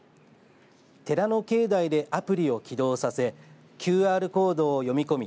寺の境内でアプリを起動させＱＲコードを読み込み